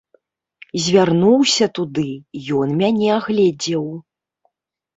Звярнуўся туды, ён мяне агледзеў.